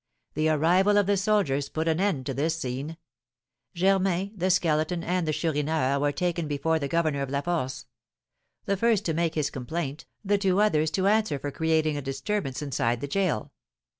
The arrival of the soldiers put an end to this scene. Germain, the Skeleton, and the Chourineur were taken before the governor of La Force; the first to make his complaint, the two others to answer for creating a disturbance inside the gaol.